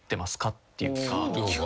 っていうか。